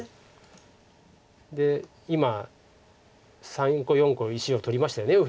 で今３個４個石を取りましたよね右辺で。